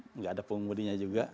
tidak ada pengumumdianya juga